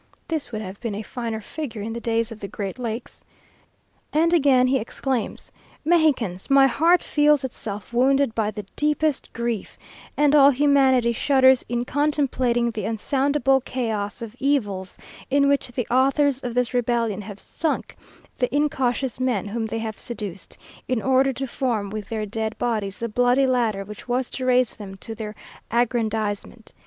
This would have been a finer figure in the days of the great lakes. And again he exclaims "Mexicans! my heart feels itself wounded by the deepest grief, and all humanity shudders in contemplating the unsoundable chaos of evils in which the authors of this rebellion have sunk the incautious men whom they have seduced, in order to form with their dead bodies the bloody ladder which was to raise them to their aggrandizement!